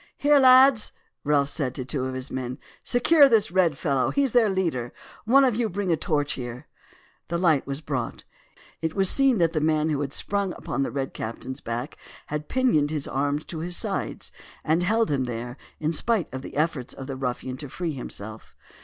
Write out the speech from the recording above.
"Here, lads," Ralph said to two of his men. "Secure this red fellow, he is their leader. One of you bring a torch here." The light was brought. It was seen that the man who had sprung upon the Red Captain's back had pinioned his arms to his sides, and held them there in spite of the efforts of the ruffian to free himself.